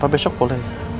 papa besok boleh